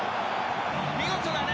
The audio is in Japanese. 見事だね！